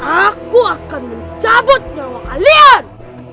aku akan mencabut nyawa kalian